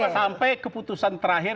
sampai keputusan terakhir